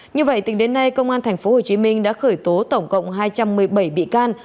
như vậy tính đến nay công an thành phố hồ chí minh đã khởi tố tổng cộng hai trăm một mươi bảy bị can